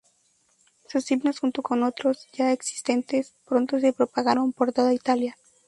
Sus himnos junto con otros ya existentes pronto se propagaron por toda Italia.